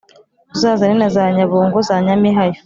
uzazane na za nyabungo za nyamihayo